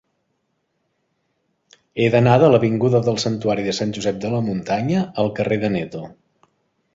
He d'anar de l'avinguda del Santuari de Sant Josep de la Muntanya al carrer d'Aneto.